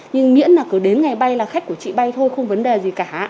nhưng miễn là cứ đến ngày bay là khách của chị bay thôi không vấn đề gì cả